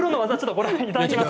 ご覧いただきます。